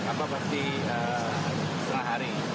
apa pasti setengah hari